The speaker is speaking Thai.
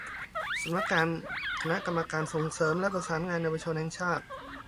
สำนักงานคณะกรรมการส่งเสริมและประสานงานเยาวชนแห่งชาติ